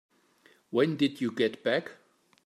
When did you get back?